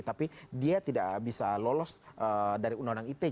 tapi dia tidak bisa lolos dari undang undang ite